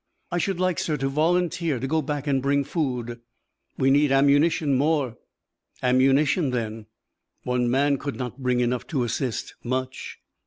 "I should like, sir, to volunteer to go back and bring food." "We need ammunition more." "Ammunition, then." "One man could not bring enough to assist much."